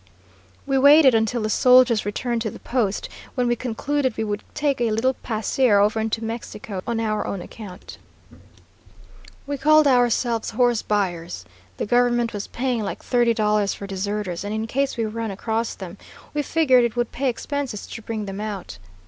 We waited until the soldiers returned to the post, when we concluded we would take a little pasear over into Mexico on our own account. "We called ourselves horse buyers. The government was paying like thirty dollars for deserters, and in case we run across them, we figured it would pay expenses to bring them out.